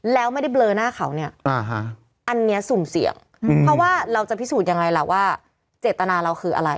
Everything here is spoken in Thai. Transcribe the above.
แล้วไม่ได้เบลอหน้าเขาเนี่ยอันนี้สุ่มเสี่ยงเพราะว่าเราจะพิสูจน์ยังไงล่ะว่าเจตนาเราคืออะไร